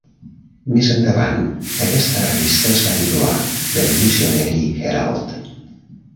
Més endavant, aquesta revista es va titular "The Missionary Herald".